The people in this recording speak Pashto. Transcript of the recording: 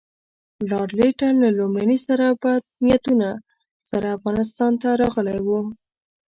لارډ لیټن له لومړي سره بد نیتونو سره افغانستان ته راغلی وو.